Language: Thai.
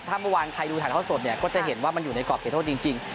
ถ้าเมื่อวานใครดูถ่ายเท่าสดเนี่ยก็จะเห็นว่ามันอยู่ในกรอบเขตโทษจริง